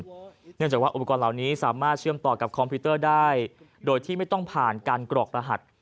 เนื่องจากว่าอุปกรณ์เหล่านี้สามารถเชื่อมต่อกับคอมพิวเตอร์ได้โดยที่ไม่ต้องผ่านการกรอกรหัส